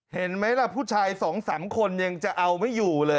เห็นไหมล่ะผู้ชาย๒๓คนยังจะเอาไม่อยู่เลย